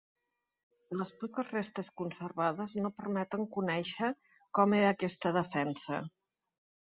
Les poques restes conservades no permeten conèixer com era aquesta defensa.